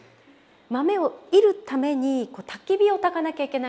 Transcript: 豆を煎るためにたき火をたかなきゃいけないわけですよね。